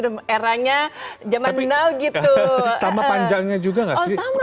memudayakan adat masing masing